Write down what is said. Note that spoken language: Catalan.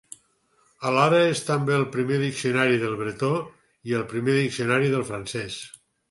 Alhora és també el primer diccionari del bretó i el primer diccionari del francès.